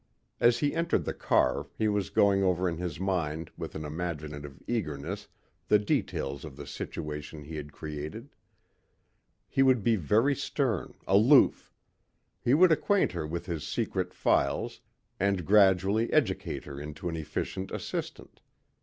As he entered the car he was going over in his mind with an imaginative eagerness the details of the situation he had created. He would be very stern, aloof. He would acquaint her with his secret files and gradually educate her into an efficient assistant.